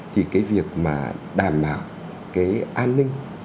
thì cái việc mà đảm bảo cái an ninh